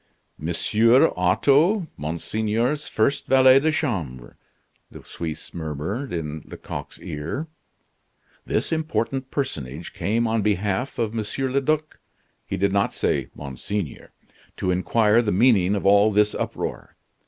"Monsieur Otto, Monseigneur's first valet de chambre," the Suisse murmured in Lecoq's ear. This important personage came on behalf of Monsieur le Duc (he did not say "Monseigneur") to inquire the meaning of all this uproar.